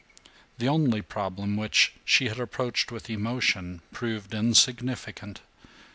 The only problem which she had approached with emotion proved insignificant.